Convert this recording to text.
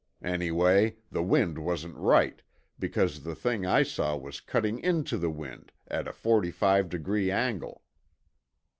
Anyway, the wind wasn't right, because the thing I saw was cutting into the wind at a forty five degree angle."